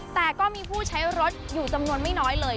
แต่ก็มีผู้ใช้รถอยู่จำนวนไม่น้อยเลย